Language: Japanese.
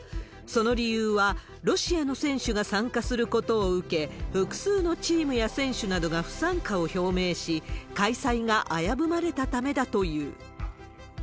その理由は、ロシアの選手が参加することを受け、複数のチームや選手などが不参加を表明し、開催が危ぶまれたためだという。